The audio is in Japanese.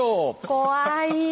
怖い。